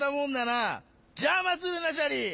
じゃまするなシャリ！